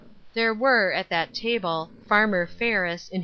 There were, at that table. Farmer Ferris, in hi.